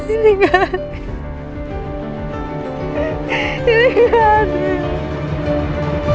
ini gak ada